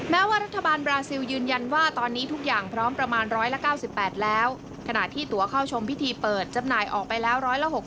แม้ว่ารัฐบาลบราซิลยืนยันว่าตอนนี้ทุกอย่างพร้อมประมาณ๑๙๘แล้วขณะที่ตัวเข้าชมพิธีเปิดจำหน่ายออกไปแล้ว๑๖๐